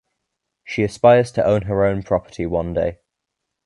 She aspires to own her own property one day.